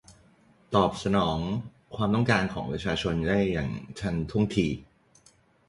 ตอบสนองความต้องการของประชาชนได้อย่างทันท่วงที